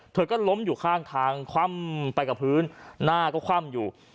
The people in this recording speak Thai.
เธอก็ล้มอยู่ข้างทางคว่ำไปกับพื้นหน้าก็คว่ำอยู่